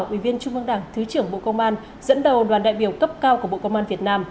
ủy viên trung ương đảng thứ trưởng bộ công an dẫn đầu đoàn đại biểu cấp cao của bộ công an việt nam